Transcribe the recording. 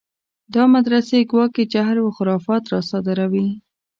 دا مدرسې ګواکې جهل و خرافات راصادروي.